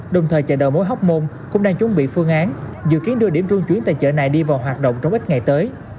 đồng thời chợ đầu mối hóc môn cũng đang chuẩn bị phương án dự kiến đưa điểm trung chuyển tại chợ này đi vào hoạt động trong ít ngày tới